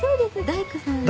大工さん。